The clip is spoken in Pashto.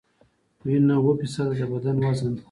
وینه اووه فیصده د بدن وزن ده.